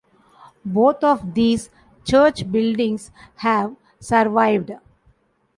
Both of these church buildings have survived.